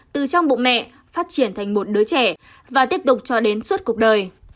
từ trong bụng mẹ phát triển thành một đứa trẻ và tiếp tục cho đến suốt cuộc đời